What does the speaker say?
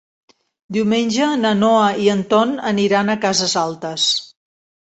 Diumenge na Noa i en Ton aniran a Cases Altes.